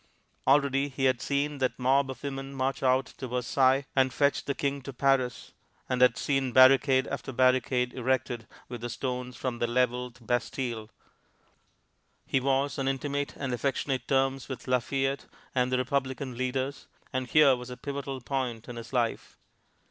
Already, he had seen that mob of women march out to Versailles and fetch the King to Paris, and had seen barricade after barricade erected with the stones from the leveled Bastile; he was on intimate and affectionate terms with Lafayette and the Republican leaders, and here was a pivotal point in his life.